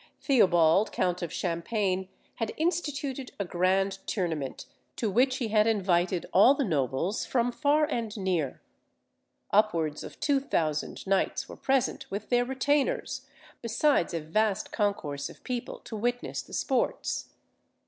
Theobald count of Champagne had instituted a grand tournament, to which he had invited all the nobles from far and near. Upwards of two thousand knights were present with their retainers, besides a vast concourse of people to witness the sports.